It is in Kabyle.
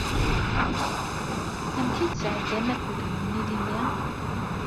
Amek ay tesɛeddam akud-nwen ilelli?